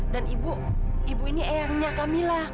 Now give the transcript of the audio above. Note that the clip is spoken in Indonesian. dan ibu ibu ini ayahnya kamilah